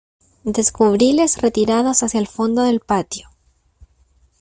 descubríles retirados hacia el fondo del patio,